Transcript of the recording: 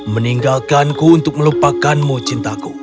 meninggalkanku untuk melupakanmu cintaku